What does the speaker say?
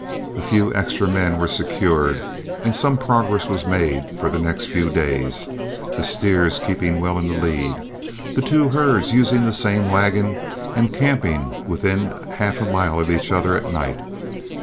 A few extra men were secured, and some progress was made for the next few days, the steers keeping well in the lead, the two herds using the same wagon, and camping within half a mile of each other at night.